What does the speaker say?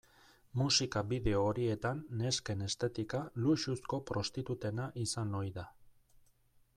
Musika bideo horietan nesken estetika luxuzko prostitutena izan ohi da.